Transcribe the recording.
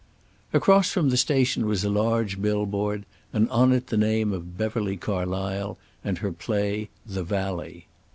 Across from the station was a large billboard, and on it the name of Beverly Carlysle and her play, "The Valley."